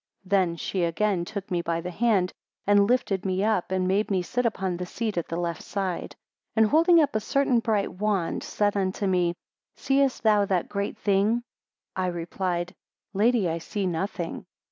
23 Then she again took me by the hand, and lifted me up, and made me sit upon the seat at the left side; and holding up a certain bright wand, said unto me, Seest thou that great thing? I replied, Lady, I see nothing.